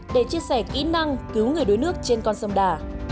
để chia sẻ kỹ năng cứu người đuối nước trên con sông đà